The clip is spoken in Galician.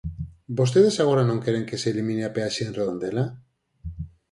¿Vostedes agora non queren que se elimine a peaxe en Redondela?